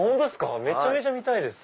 めちゃめちゃ見たいです。